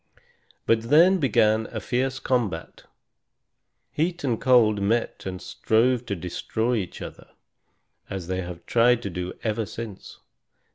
But then began a fierce combat. Heat and cold met and strove to destroy each other, as they have tried to do ever since.